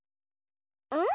うん？